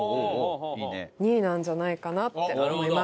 ２位なんじゃないかなって思います。